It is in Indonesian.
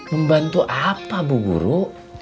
membantu apa bu guru